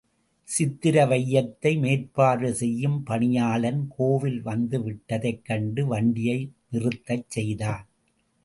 சித்திர வையத்தை மேற்பார்வை செய்யும் பணியாளன் கோவில் வந்துவிட்டதைக் கண்டு வண்டியை நிறுத்தச் செய்தான்.